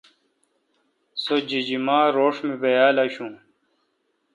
سو جیجما روݭ می بیال اشو۔